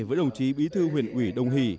với đồng chí bí thư huyện ủy đồng hỷ